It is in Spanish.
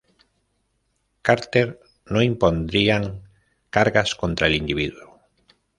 Carter no impondrían cargas contra el individuo.